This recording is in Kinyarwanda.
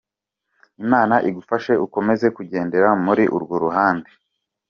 Imana igufashe ukomeze kugendera muri urwo ruhande.